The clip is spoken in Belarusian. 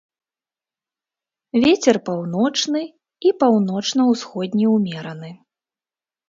Вецер паўночны і паўночна-ўсходні ўмераны.